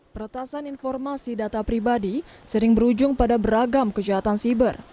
peretasan informasi data pribadi sering berujung pada beragam kejahatan siber